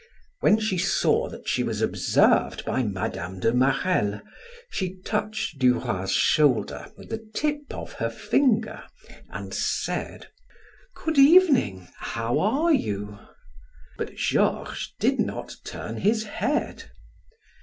When she saw that she was observed by Mme. de Marelle, she touched Duroy's shoulder with the tip of her finger, and said: "Good evening. How are you?" But Georges did not turn his head.